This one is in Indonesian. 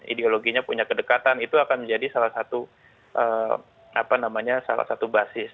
ideologinya punya kedekatan itu akan menjadi salah satu basis